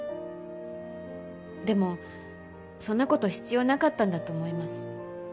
でもそんな事必要なかったんだと思います。